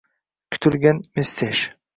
Kutilgan “messej”